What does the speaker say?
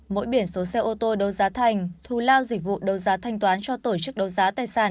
mỗi biển số xe ô tô đấu giá thành thù lao dịch vụ đấu giá thanh toán cho tổ chức đấu giá tài sản